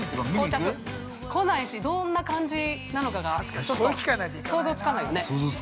◆来ないし、どんな感じなのかがちょっと想像つかないよね。